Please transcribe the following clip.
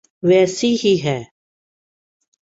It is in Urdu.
ویسی ہی ہیں۔